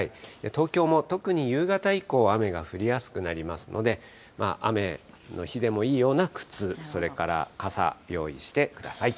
東京も特に夕方以降、雨が降りやすくなりますので、雨の日でもいいような靴、それから傘、用意してください。